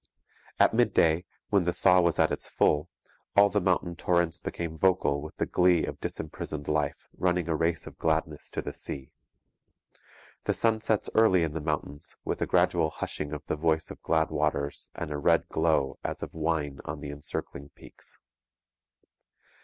At midday, when the thaw was at its full, all the mountain torrents became vocal with the glee of disimprisoned life running a race of gladness to the sea. The sun sets early in the mountains with a gradual hushing of the voice of glad waters and a red glow as of wine on the encircling peaks.